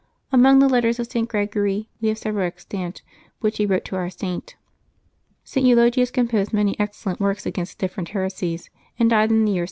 Among the letters of St. Gregory we have several extant which he wrote to our Saint. St. Eulogius composed many excellent workfi against different heresies, and died in the year 606.